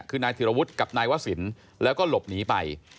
คือนายธิรวรรณวุฒิกับนายวะสินแล้วก็หลบหนีไป